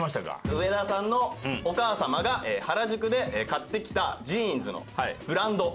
上田さんのお母様が原宿で買ってきたジーンズのブランド。